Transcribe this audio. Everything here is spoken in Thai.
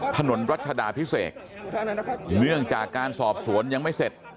ถนนรัชดาพิเศษเนื่องจากการสอบสวนยังไม่เสร็จ